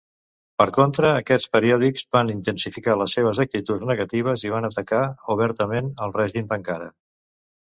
Per contra, aquests periòdics van intensificar les seves actituds negatives i van atacar obertament el règim d'Ankara.